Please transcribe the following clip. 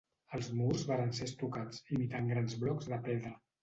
Els murs varen ser estucats, imitant grans blocs de pedra.